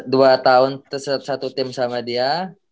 dua tahun satu tim sama dia